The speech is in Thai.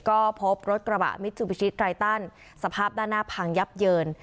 ก็พบรถกระบะมิจูบิชิตไรตันสภาพด้านหน้าพังยับเยิน